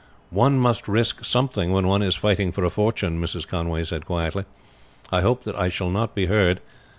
"One must risk something when one is fighting for a fortune," Mrs. Conway said quietly. "I hope that I shall not be heard.